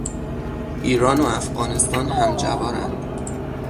ایران و افغانستان همجوارند.